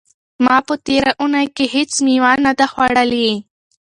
ما په تېره اونۍ کې هیڅ مېوه نه ده خوړلې.